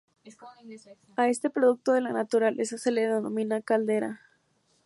A este producto de la naturaleza se le denomina caldera.